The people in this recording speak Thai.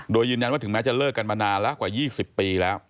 โดยยืนยันว่าถึงแม้จะเลิกกันมานานแล้วกว่า๒๐ปีแล้ว